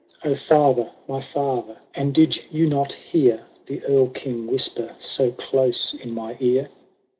—" O father ! my father ! and did you not hear The Erl King whisper so close in my ear